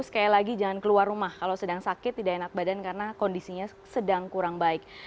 sekali lagi jangan keluar rumah kalau sedang sakit tidak enak badan karena kondisinya sedang kurang baik